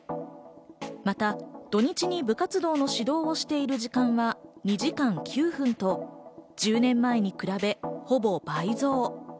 また、土日に部活動の指導をしている時間は２時間９分と１０年前に比べほぼ倍増。